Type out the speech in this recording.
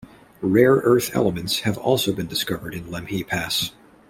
Rare earth elements have also been discovered in Lemhi Pass.